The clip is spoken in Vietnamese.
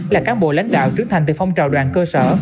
là cán bộ lãnh đạo trưởng thành từ phong trào đoàn cơ sở